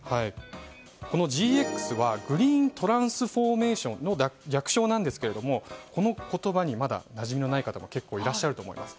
このＧＸはグリーントランスフォーメーションの略称なんですがこの言葉にまだなじみのない方がいらっしゃるかと思います。